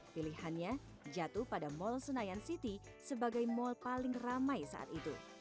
pilihannya jatuh pada mall senayan city sebagai mal paling ramai saat itu